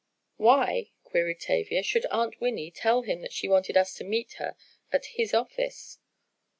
"Why," queried Tavia, "should Aunt Winnie tell him that she wanted us to meet her at his office?"